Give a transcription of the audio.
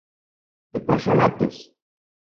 ¿Tipaxalotis?